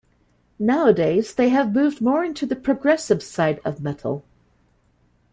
Nowadays, they have moved more into the progressive side of metal.